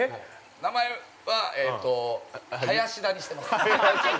◆名前は、林田にしてます。